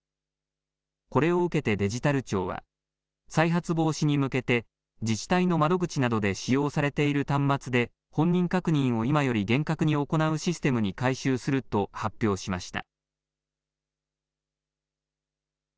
これを受けてデジタル庁は再発防止に向けて自治体の窓口などで使用されている端末で本人確認を今より厳格に行うシステムに改修すると発表しました。